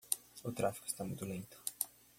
O tráfico está muito lento.